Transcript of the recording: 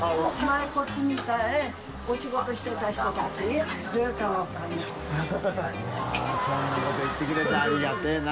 い筺そんなこと言ってくれてありがたいな。